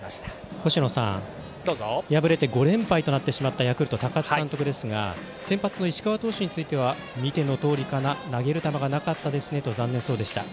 星野さん敗れて５連敗となってしまったヤクルト、高津監督ですが先発の石川投手については見てのとおりかな投げる球がなかったですねと残念そうでした。